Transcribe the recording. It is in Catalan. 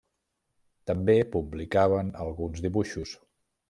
També publicaven alguns dibuixos.